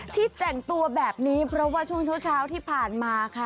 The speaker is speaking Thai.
ที่แต่งตัวแบบนี้เพราะว่าช่วงเช้าที่ผ่านมาค่ะ